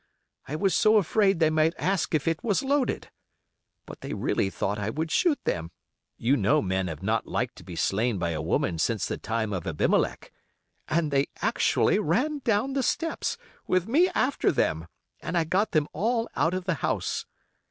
I was so afraid they might ask if it was loaded. But they really thought I would shoot them (you know men have not liked to be slain by a woman since the time of Abimelech), and they actually ran down the steps, with me after them, and I got them all out of the house.